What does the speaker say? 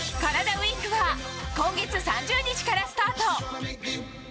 ＷＥＥＫは今月３０日からスタート。